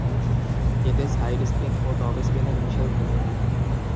এতে side spin ও top স্পিনের মিশেল থাকে।